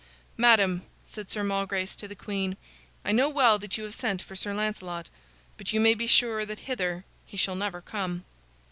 "Madam," said Sir Malgrace to the queen, "I know well that you have sent for Sir Lancelot, but you may be sure that hither he shall never come."